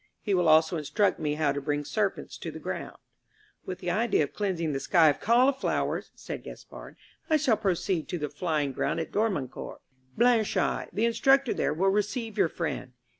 He will also instruct me how to bring serpents to the ground." "With the idea of cleansing the sky of cauliflowers," said Gaspard, "I shall proceed to the flying ground at Dormancourt; Blanchaille, the instructor there, will receive your friend."